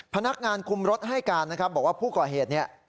พนักงานคุมรถให้การนะครับบอกว่าผู้ก่อเหตุเนี่ย